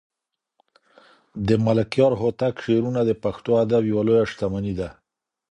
د ملکیار هوتک شعرونه د پښتو ادب یوه لویه شتمني ده.